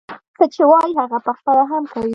څه چې وايي هغه پخپله هم کوي.